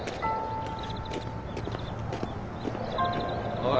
おい。